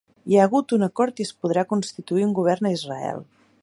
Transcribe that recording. Hi ha hagut un acord i es podrà constituir un govern a Israel